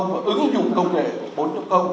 và ứng dụng công nghệ bốn